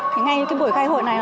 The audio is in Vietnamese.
thì ngay cái buổi khai hội này